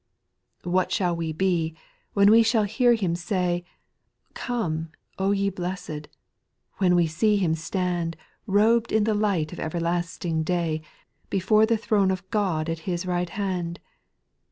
What shall we be, when we shall hear Him say, *' Come, O ye blessed," — when we see Him stand, liobed in tlie light of everlasting day, Before the throne of God at His right hand